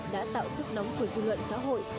đã tạo sức nóng của dư luận xã hội